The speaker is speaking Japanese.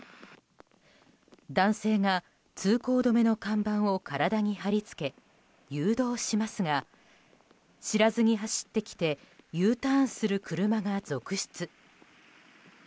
男性が通行止めの看板を体に貼り付け、誘導しますが知らずに走ってきてＵターンする車が続出。